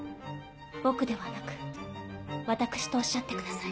「僕」ではなく「わたくし」とおっしゃってください。